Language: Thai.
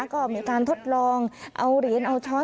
ก็มีการทดลองเอาเหรียญเอาช้อน